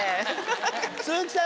鈴木さん